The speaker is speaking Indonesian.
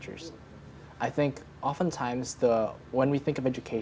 biasanya ketika kita berpikir tentang pendidikan